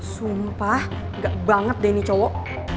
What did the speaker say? sumpah gak banget deh ini cowok